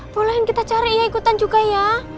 boleh kita cari ya ikutan juga ya